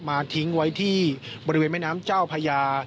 ทิ้งไว้ที่บริเวณแม่น้ำเจ้าพญา